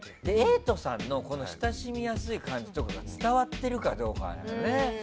瑛人さんの親しみやすい感じとかが伝わってるかどうかなのよね。